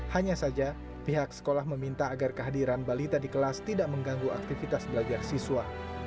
hanya saja pihak sekolah meminta agar kehadiran balita di kelas tidak mengganggu aktivitas belajar siswa